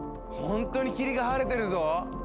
ほんとに霧が晴れてるぞ！